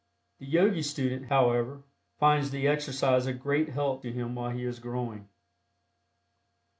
The Yogi student, however, finds the exercise a great help to him while he is growing.